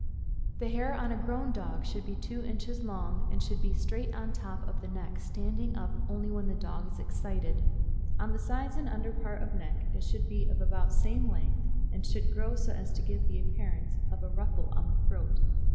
The hair on a grown dog should be two inches long, and should be straight on top of the neck — standing up only when the dog is excited. On the sides and under part of neck it should be of about same length, and should grow so as to give the appearance of a ruffle on the throat.